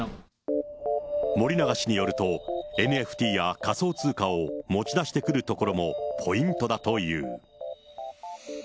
森永氏によると、ＮＦＴや仮想通貨を持ち出してくるところもポイントだという。